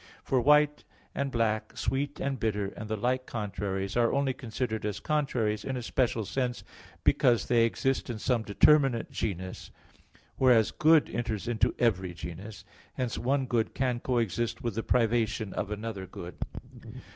For white and black, sweet and bitter, and the like contraries, are only considered as contraries in a special sense, because they exist in some determinate genus; whereas good enters into every genus. Hence one good can coexist with the privation of another good.